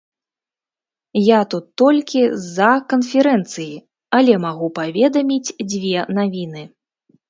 Я тут толькі з-за канферэнцыі, але магу паведаміць дзве навіны.